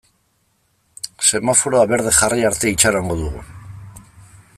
Semaforoa berde jarri arte itxarongo dugu.